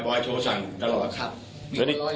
บอยสั่งตลอด